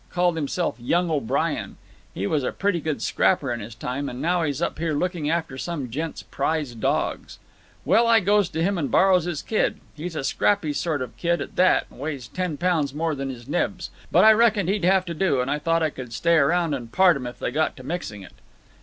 Called himself Young O'Brien. He was a pretty good scrapper in his time, and now he's up here looking after some gent's prize dogs. "Well, I goes to him and borrows his kid. He's a scrappy sort of kid at that and weighs ten pounds more than his nibs; but I reckoned he'd have to do, and I thought I could stay around and part 'em if they got to mixing it."